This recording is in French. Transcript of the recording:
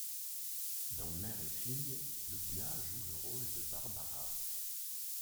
Dans Mère et Fille, Lubna joue le rôle de Barbara.